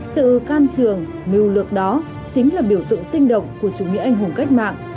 sự can trường mưu lược đó chính là biểu tượng sinh động của chủ nghĩa anh hùng cách mạng